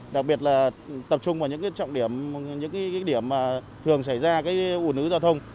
đặc biệt là tập trung vào những trọng điểm những điểm thường xảy ra ủn ứ giao thông